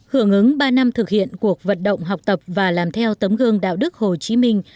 hưởng ứng ba năm thực hiện cuộc vận động học tập và làm theo tấm gương đạo đức hồ chí minh